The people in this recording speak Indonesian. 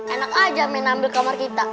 enak aja main ambil kamar kita